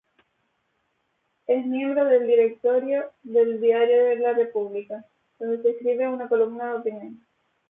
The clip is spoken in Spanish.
Es miembro del directorio del Diario La República, donde escribe una columna de opinión.